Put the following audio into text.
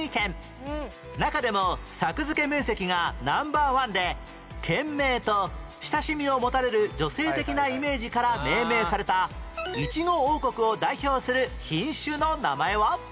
中でも作付面積がナンバーワンで県名と親しみを持たれる女性的なイメージから命名されたいちご王国を代表する品種の名前は？